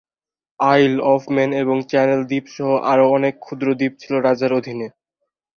আইল of Man এবং channel দ্বীপ সহ আরো অনেক ক্ষুদ্র দ্বীপ ছিল রাজার অধীনে।